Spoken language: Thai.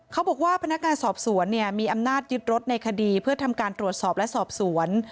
เขาบอกว่าพนักงานสอบสวนมีอำนาจยึดรถในคดีเพื่อทำการตรวจสอบและสอบสวน